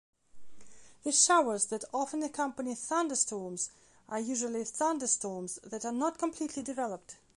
The showers that often accompany thunderstorms are usually thunderstorms that are not completely developed.